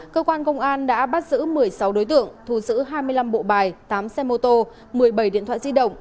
cơ quan công an đã bắt giữ một mươi sáu đối tượng thu giữ hai mươi năm bộ bài tám xe mô tô một mươi bảy điện thoại di động